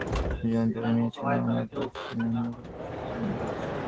দুজনেই ধরে নিয়েছিলাম আমরা পচনশীল লাশের গন্ধ পাচ্ছি।